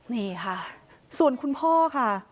นี่ค่ะส่วนคุณพ่อค่ะ